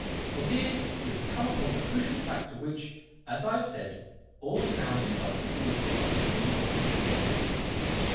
For here we had come upon the crucial fact to which, as I have said, all sound inductive reasoning brings one sooner or later.